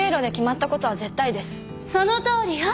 そのとおりよ。